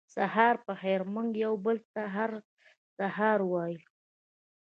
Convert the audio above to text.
سهار پخېر موږ یو بل ته هر سهار وایو